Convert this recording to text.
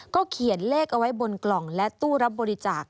เขียนเลขเอาไว้บนกล่องและตู้รับบริจาค